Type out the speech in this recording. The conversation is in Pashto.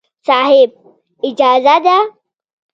صاحب! اجازه ده.